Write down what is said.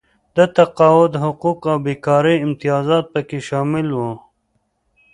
د تقاعد حقوق او بېکارۍ امتیازات پکې شامل وو.